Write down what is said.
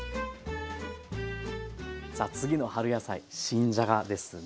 さあ次の春野菜新じゃがですね。